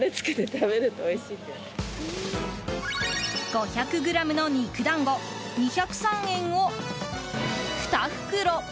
５００ｇの肉団子２０３円を２袋。